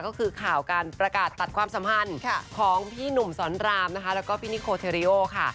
ก็คือข่าวการประกาศตัดความสัมพันธ์ของพี่หนุ่มสอนรามนะคะแล้วก็พี่นิโคเทรีโอค่ะ